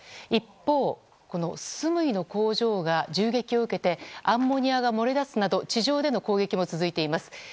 一方、スムイの工場が銃撃を受けてアンモニアが漏れ出すなど地上での攻撃も続いています。